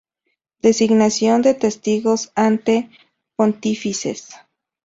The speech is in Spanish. Designación de testigos ante pontífices.